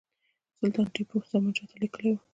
سلطان ټیپو زمانشاه ته لیکلي وه.